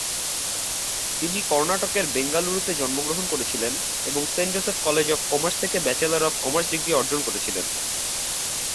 তিনি কর্ণাটকের বেঙ্গালুরুতে জন্মগ্রহণ করেছিলেন এবং Saint Joseph College of Commerce থেকে ব্যাচেলর অব কমার্স ডিগ্রি অর্জন করেছিলেন।